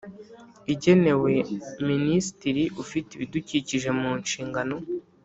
igenewe Minisitiri ufite ibidukikije mu nshingano